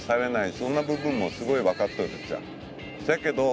そんな部分もすごい分かっとるっちゃそやけど